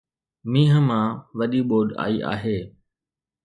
مينهن مان وڏي ٻوڏ آئي هئي